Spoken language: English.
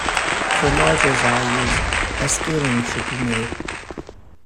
For larger values, a scaling should be made.